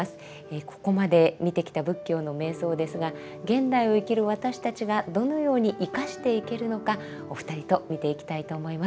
ここまで見てきた仏教の瞑想ですが現代を生きる私たちがどのように生かしていけるのかお二人と見ていきたいと思います。